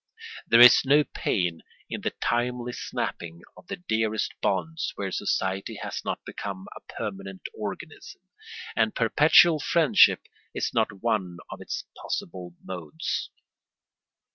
There is no pain in the timely snapping of the dearest bonds where society has not become a permanent organism, and perpetual friendship is not one of its possible modes.